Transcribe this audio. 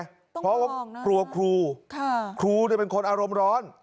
ต้องบอกนะครับเพราะว่ากลัวครูครูเนี่ยเป็นคนอารมณ์ร้อน